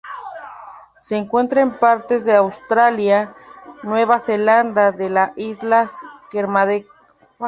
Se encuentra en partes de Australia, Nueva Zelanda en la Islas Kermadec.